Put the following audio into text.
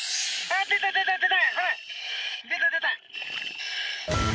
出た出た！